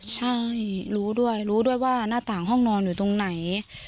ใช่รู้ด้วยรู้ด้วยว่าหน้าต่างห้องนอนอยู่ตรงไหน